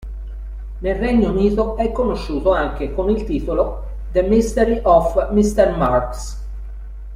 Nel Regno Unito è conosciuto anche con il titolo "The Mystery of Mr. Marks".